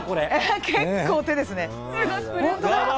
結構、手ですね。